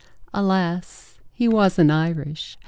Alas, he wasn't Irish.